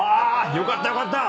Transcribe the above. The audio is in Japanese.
よかったよかった。